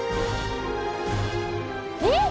えっ！